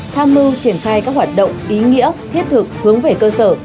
tham mưu triển khai các hoạt động ý nghĩa thiết thực hướng về cơ sở